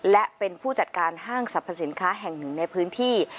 และเป็นผู้จัดการห้างสรรพสินค้าแห่งหนึ่งในพื้นที่